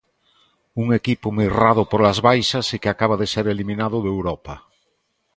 Un equipo mirrado polas baixas e que acaba de ser eliminado de Europa.